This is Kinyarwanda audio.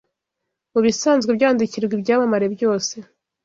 mubisanzwe byandikirwa ibyamamare byose